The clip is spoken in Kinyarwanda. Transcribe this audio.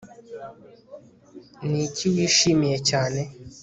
Niki wishimiye cyane